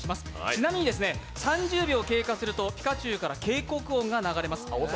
ちなみに３０秒経過するとピカチュウから警告音が流れます。